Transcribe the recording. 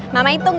mama hitung ya